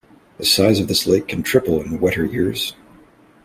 The size of this lake can triple in wetter years.